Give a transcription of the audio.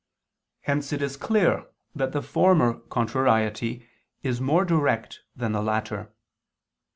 Hence it is clear that the former contrariety is more direct than the latter.